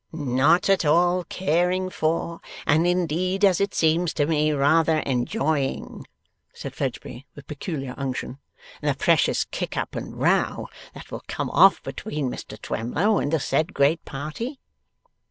'Not at all caring for, and indeed as it seems to me rather enjoying,' said Fledgeby, with peculiar unction, 'the precious kick up and row that will come off between Mr Twemlow and the said great party?